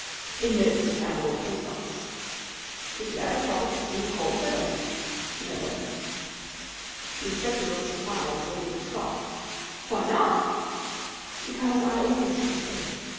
"In notes to Camberwell post office." "Did you ever trouble to see who called for them?" "No." The inspector looked surprised and a little shocked. "Why not?" "Because I always keep faith.